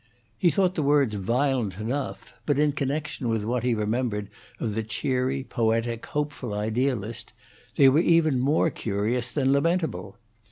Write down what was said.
He thought the words violent enough, but in connection with what he remembered of the cheery, poetic, hopeful idealist, they were even more curious than lamentable.